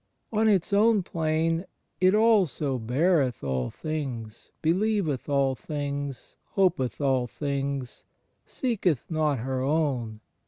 On its own plane, it also "beareth all things, beUeveth all things, hopeth all things ... seeketh not her own